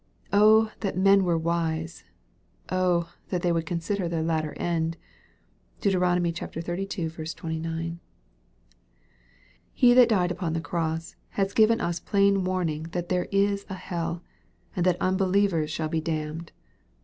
" Oh ! that men were wise. Oh ! that they would consider their latter end." Deut. xxxii. 29.) He that died upon the cross, has given us plain warning that there is a hell, and that unbelievers shall be damned.